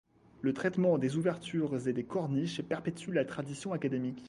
Le traitement des ouvertures et des corniches perpétuent la tradition académique.